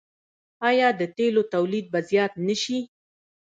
آیا د تیلو تولید به زیات نشي؟